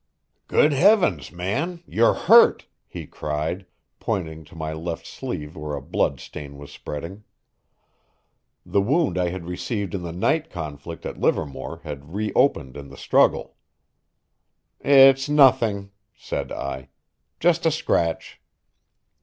"Good heavens, man, you're hurt!" he cried, pointing to my left sleeve where a blood stain was spreading. The wound I had received in the night conflict at Livermore had reopened in the struggle. "It's nothing," said I. "Just a scratch."